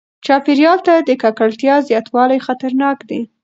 چاپیریال ته د ککړتیا زیاتوالی خطرناک دی.